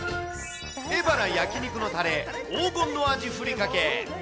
エバラ焼き肉のたれ、黄金の味ふりかけ。